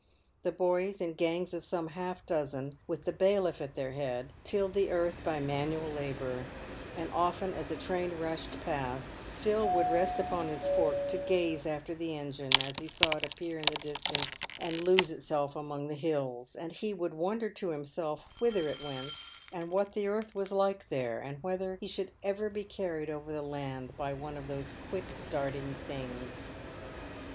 The boys, in gangs of some half dozen, with the bailiff at their head, tilled the earth by manual labour ; and often as a train rushed past, Phil would rest upon his fork to gaze after the engine as he saw it appear in the distance and lose itself among the hills ; and he would wonder to himself whither it went, and what the earth was like there, and whether he should ever be carried over the land by one of those quick darting things.